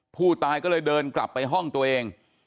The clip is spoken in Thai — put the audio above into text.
ผู้ตายก็เลยเดินกลับไปห้องตัวเอง